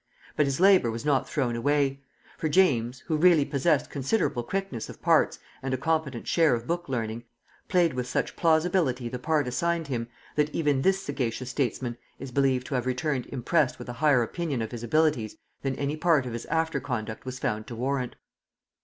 But his labor was not thrown away; for James, who really possessed considerable quickness of parts and a competent share of book learning, played with such plausibility the part assigned him, that even this sagacious statesman is believed to have returned impressed with a higher opinion of his abilities than any part of his after conduct was found to warrant.